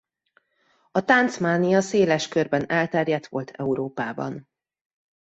A tánc mánia széles körben elterjedt volt Európában.